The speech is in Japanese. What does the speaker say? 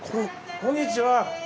こんにちは。